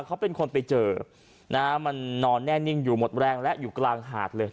เขาเป็นคนไปเจอนะฮะมันนอนแน่นิ่งอยู่หมดแรงและอยู่กลางหาดเลย